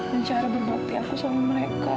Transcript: dan cara berbakti aku sama mereka